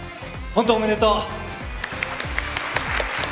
本当おめでとう！